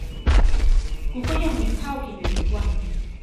กูก็ยังมีข้าวกินอยู่ทุกวัน